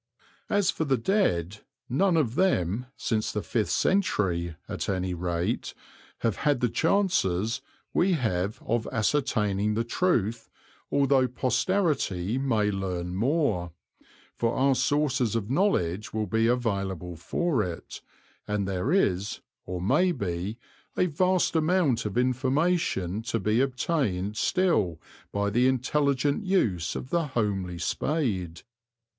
As for the dead, none of them, since the fifth century at any rate, have had the chances we have of ascertaining the truth, although posterity may learn more, for our sources of knowledge will be available for it, and there is, or may be, a vast amount of information to be obtained still by the intelligent use of the homely spade.